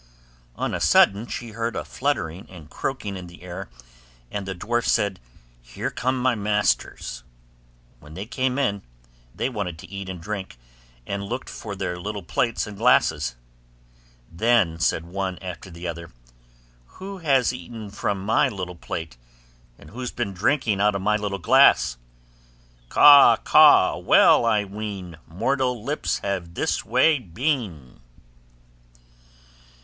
On a sudden she heard a fluttering and croaking in the air, and the dwarf said, 'Here come my masters.' When they came in, they wanted to eat and drink, and looked for their little plates and glasses. Then said one after the other, 'Who has eaten from my little plate? And who has been drinking out of my little glass?' 'Caw! Caw! well I ween Mortal lips have this way been.